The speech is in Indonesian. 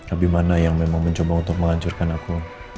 abimana yang memang mencoba untuk menghancurkan aku